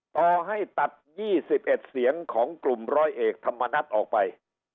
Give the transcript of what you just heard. ต่อให้ตัด๒๑เสียงของกลุ่มร้อยเอกธรรมนัฏออกไป